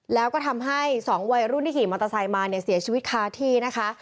แล้วก็ทำให้สองวัยรุ่นที่ขี่มอเตอร์ไซค์มาเนี่ยเสียชีวิตคาที่นะคะ